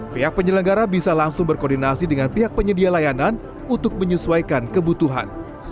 pihak penyelenggara bisa langsung berkoordinasi dengan pihak penyedia layanan untuk menyesuaikan kebutuhan